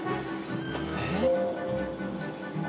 えっ？